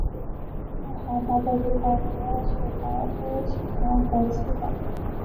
在海拔的地方主要是白欧石楠和刺柏。